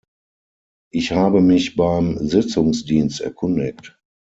Ich habe mich beim Sitzungsdienst erkundigt.